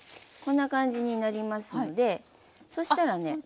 こんな感じになりますのでそしたらね。